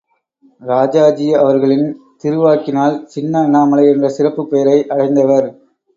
ராஜாஜி அவர்களின் திருவாக்கினால் சின்ன அண்ணாமலை என்ற சிறப்புப் பெயரை அடைந்தவர்.